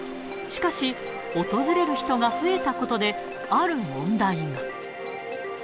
しかし、訪れる人が増えたことで、ある問題が。